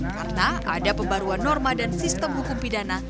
karena ada pembaruan norma dan sistem hukum pidana